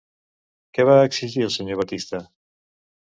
Què va exigir el senyor Batista?